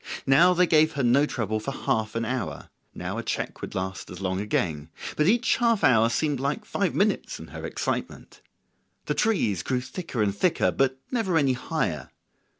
Now they gave her no trouble for half an hour; now a check would last as long again; but each half hour seemed like five minutes in her excitement. The trees grew thicker and thicker, but never any higher.